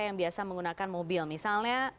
yang biasa menggunakan mobil misalnya